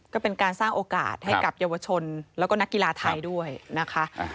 ก็เป็นการสร้างโอกาสให้กับเยาวชนแล้วก็นักกีฬาไทยด้วยนะคะ